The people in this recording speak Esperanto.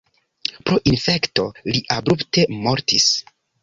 Pro infekto li abrupte mortis.